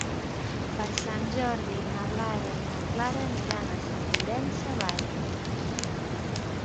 Per Sant Jordi na Lara i na Clara aniran a Sant Llorenç Savall.